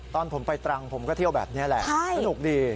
ตอนผมไปตรังผมก็เที่ยวแบบนี้แหละสนุกดี